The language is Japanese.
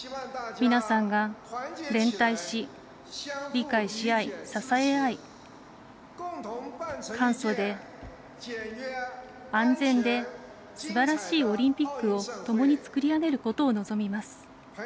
皆さんが連帯し理解しあい、支え合い簡素で安全ですばらしいオリンピックをともに作り上げることを望みます。